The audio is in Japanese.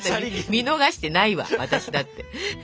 見逃してないわ私だって。